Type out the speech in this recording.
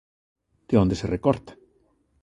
De onde se recorta?